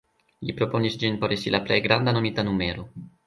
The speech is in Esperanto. Li proponis ĝin por esti la plej granda nomita numero.